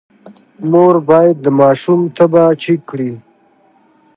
مور باید د ماشوم تبه چیک کړي۔